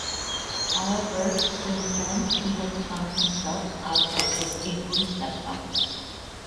However, since then he has found himself out of the England set up.